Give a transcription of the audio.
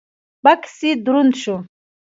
بکس يې دروند شو.